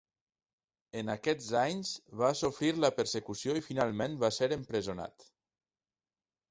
En aquests anys, va sofrir la persecució i finalment va ser empresonat.